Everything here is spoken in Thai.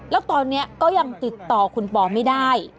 แล้วตอนนี้ก็ยังติดต่อคุณปอไม่ได้